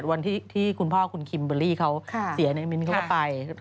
วันที่คุณพ่อคุณคิมเบอร์รี่เขาเสียเนี่ยมิ้นเขาก็ไป